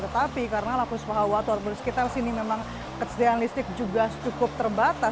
tetapi karena lapus pahawa atau warga di sekitar sini memang kesediaan listrik juga cukup terbatas